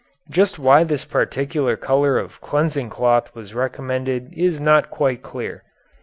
Just why this particular color of cleansing cloth was recommended is not quite clear.